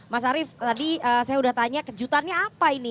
mas arief tadi saya sudah tanya kejutannya apa ini